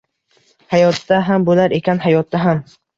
Hayotda ham bo‘lar ekan, hayotda ham.